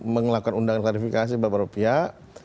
melakukan undangan klarifikasi beberapa pihak